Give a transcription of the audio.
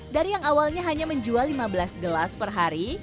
dari yang awalnya hanya menjual lima belas gelas per hari